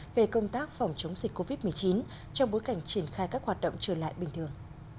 về công tác phòng chống dịch covid một mươi chín trong bối cảnh triển khai các hoạt động trở lại bình thường